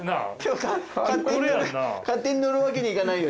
勝手に乗るわけにいかないんで。